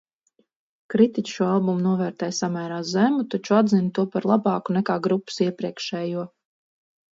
Kritiķi šo albumu novērtēja samērā zemu, taču atzina to par labāku nekā grupas iepriekšējo.